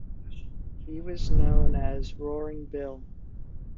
He was known as "Roaring Bill".